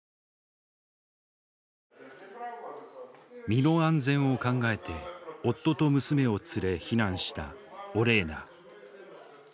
身の安全を考えて夫と娘を連れ避難したオレーナ。